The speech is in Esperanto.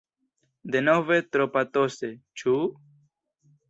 Denove tro patose, ĉu?